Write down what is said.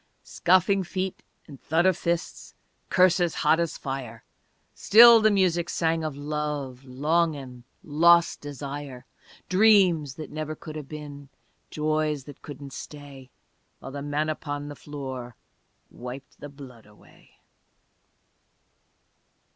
Scuffling feet and thud of fists, Curses hot as fire Still the music sang of love, Longin', lost desire, Dreams that never could have been Joys that couldn't stay While the man upon the floor Wiped the blood away.